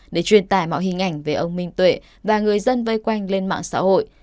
để truyền tải mọi hình ảnh về ông minh tuệ và người dân vây quanh lên mạng xã hội